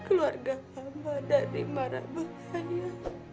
keluarga hamba dari mara bahaya